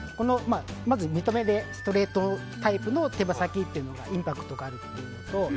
まず見た目でストレートタイプの手羽先というのがインパクトがあるというのと。